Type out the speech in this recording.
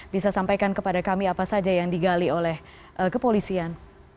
bisa sampaikan kepada kami apa saja yang digali oleh kepolisian